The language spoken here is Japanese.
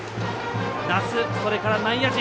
奈須、それから内野陣。